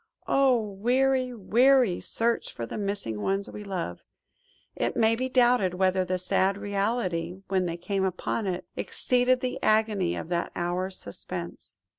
Oh ! weary, weary search for the missing ones we love! It may be doubted whether the sad reality, when they came upon it, exceeded the agony of that hour's suspense.